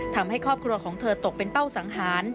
ทำให้ครอบครัวของเธอตกเป็นเป้าสังหาร